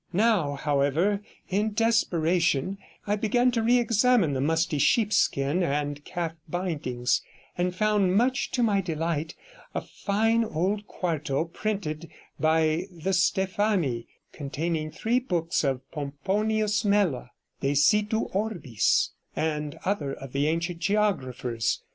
Now, however, in desperation, I began to re examine the musty sheepskin and calf bindings, and found, much to my delight, a fine old quarto printed by the Stephani, containing the three books of Pomponius Mela, De Situ Orbis, and other of the ancient geographers.